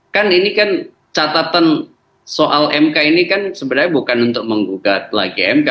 kan ini kan catatan soal mk ini kan sebenarnya bukan untuk menggugat lagi mk